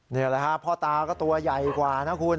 นี่แหละครับพ่อตาก็ตัวใหญ่กว่านะคุณ